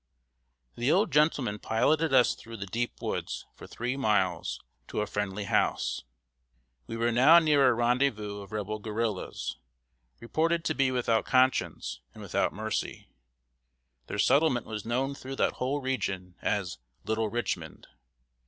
] The old gentleman piloted us through the deep woods, for three miles, to a friendly house. We were now near a rendezvous of Rebel guerrillas, reported to be without conscience and without mercy. Their settlement was known through that whole region as "Little Richmond."